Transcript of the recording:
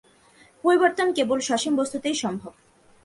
পরিবর্তন কেবল সসীম বস্তুতেই সম্ভব।